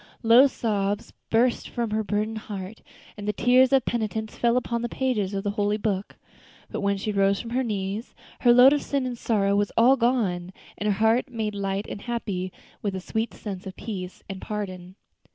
Low sobs burst from her burdened heart, and the tears of penitence fell upon the pages of the holy book. But when she rose from her knees, her load of sin and sorrow was all gone, and her heart made light and happy with a sweet sense of peace and pardon.